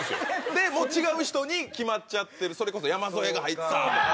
でもう違う人に決まっちゃってるそれこそ山添が入ったとか。